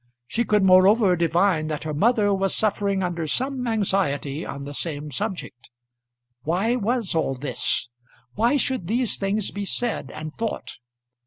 She could moreover divine that her mother was suffering under some anxiety on the same subject. Why was all this? Why should these things be said and thought?